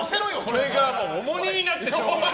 これが重荷になってしょうがない！